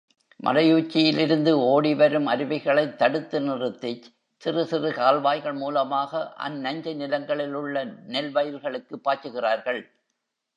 மலையுச்சியிலிருந்து ஓடிவரும் அருவிகளைத் தடுத்து நிறுத்திச் சிறுசிறு கால்வாய்கள் மூலமாக அந் நஞ்சை நிலங்களிலுள்ள நெல் வயல்களுக்குப் பாய்ச்சுகிறார்கள்.